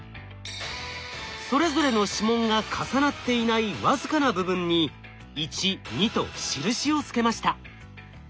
それぞれの指紋が重なっていない僅かな部分に１２と印をつけました。